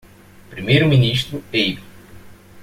Primeiro ministro Abe.